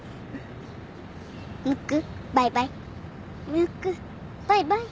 ムックバイバイ。